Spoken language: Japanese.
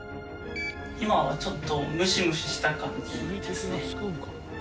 今はちょっとムシムシした感じですね。